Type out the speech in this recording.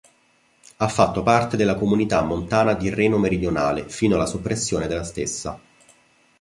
Ha fatto parte della comunità montana Tirreno Meridionale fino alla soppressione della stessa.